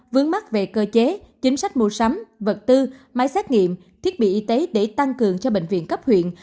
vướng mắt về cơ chế chính sách mua sắm vật tư máy xét nghiệm thiết bị y tế để tăng cường cho bệnh viện cấp huyện